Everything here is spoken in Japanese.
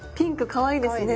かわいいですね。